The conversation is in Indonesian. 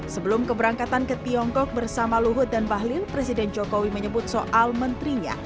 sebelum keberangkatan ke tiongkok bersama luhut dan bahlil presiden jokowi menyebut soal menterinya